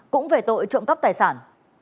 cũng về tội trộm cắp tài sản